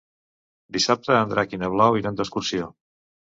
Dissabte en Drac i na Blau iran d'excursió.